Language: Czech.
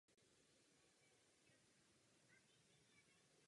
Další její filmy "Tajemství prstenu" nebo "Divoká jízda" nebyly příliš úspěšné.